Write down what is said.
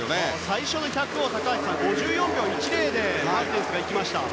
最初の１００を５４秒１０でマルテンスが行きましたね。